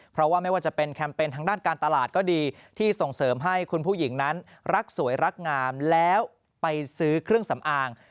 เพราะว่าไม่ว่าจะเป็นแคมเปญทางด้านการตลาดก็ดีที่ส่งเสริมให้คุณผู้หญิงนั้นรักสวยรักงามแล้วไปซื้อเครื่องสำอาง